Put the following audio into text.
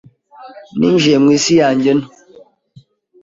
Ninjiye mu isi yanjye nto